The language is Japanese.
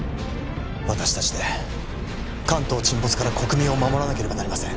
私達で関東沈没から国民を守らなければなりません